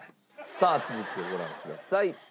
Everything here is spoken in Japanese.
さあ続きをご覧ください。